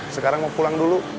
sekarang mau pulang dulu